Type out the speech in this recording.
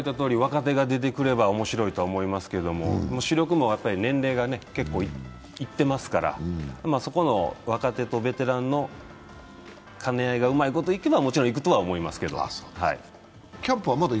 原さんが言ったとおり、若手が出てくれば面白いとは思いますけど、主力も年齢が結構いってますから、そこの若手とベテランの兼ね合いがうまいこといけばもちろんいくとは思いますけど。